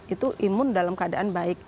itu imun dalam keadaan baik